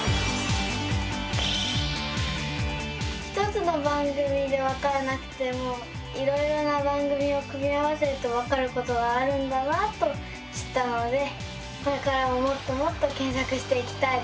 １つの番組でわからなくてもいろいろな番組を組み合わせるとわかることがあるんだなと知ったのでこれからももっともっと検索していきたいです。